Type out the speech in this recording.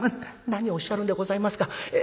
「何をおっしゃるんでございますか。